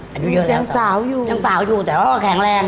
ก็ยิ่งสาวอยู่ยังสาวอยู่แต่เครงแรง